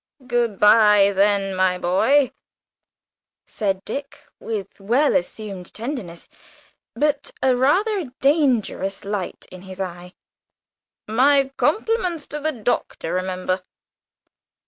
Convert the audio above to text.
"Good bye then, my boy," said Dick, with well assumed tenderness, but a rather dangerous light in his eye. "My compliments to the Doctor, remember."